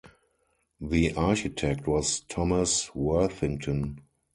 The architect was Thomas Worthington.